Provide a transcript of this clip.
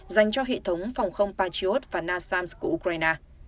dành cho hệ thống phòng không patriot và nasams của ukraine